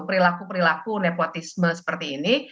perilaku perilaku nepotisme seperti ini